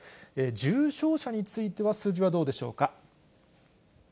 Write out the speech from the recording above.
重症者については数字はどうでしょうか。